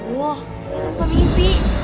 wah itu mau mimpi